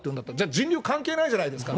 人流関係ないじゃないですか。